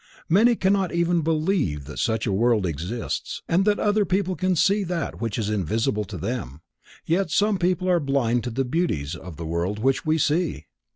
Many cannot even believe that such a world exists, and that other people can see that which is invisible to them, yet some people are blind to the beauties of this world which we see.